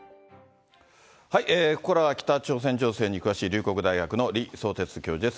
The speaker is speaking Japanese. ここからは北朝鮮情勢に詳しい龍谷大学の李相哲教授です。